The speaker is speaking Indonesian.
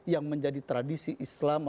yang menjadi tradisi islam